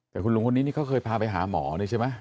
แต่คุณลุงคนนี้นี่เขาเคยพาไปหาหมอนี่ใช่ไหม